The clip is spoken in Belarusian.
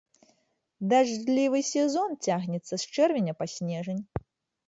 Дажджлівы сезон цягнецца з чэрвеня па снежань.